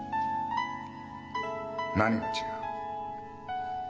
何が違う？